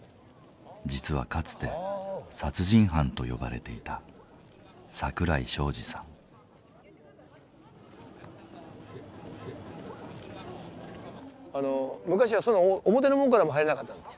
実はかつて「殺人犯」と呼ばれていた昔はその表の門からも入れなかった。